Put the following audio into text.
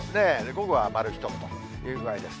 午後は丸１つという具合です。